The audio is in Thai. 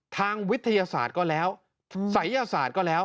ทางวิทยาศาสตร์ก็แล้วศัยยศาสตร์ก็แล้ว